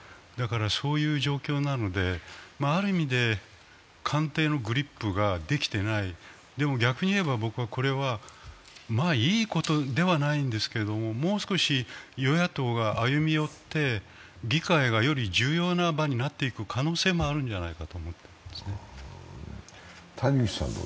そういう状況なので、ある意味で官邸のグリップができてない、でも逆に言えば僕はこれは、いいことではないんですけれどももう少し与野党が歩み寄って、議会がより重要な場になっていく可能性もあるんじゃないかと思ってますね。